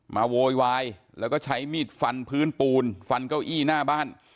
โวยวายแล้วก็ใช้มีดฟันพื้นปูนฟันเก้าอี้หน้าบ้าน